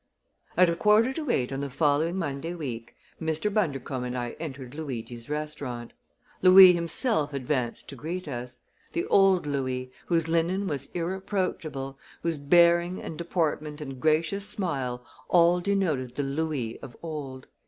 At a quarter to eight on the following Monday week Mr. Bundercombe and I entered Luigi's restaurant. Louis himself advanced to greet us the old Louis, whose linen was irreproachable, whose bearing and deportment and gracious smile all denoted the Louis of old.